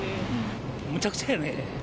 むちゃくちゃやね。